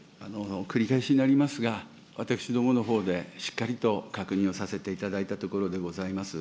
繰り返しになりますが、私どものほうで、しっかりと確認をさせていただいたところでございます。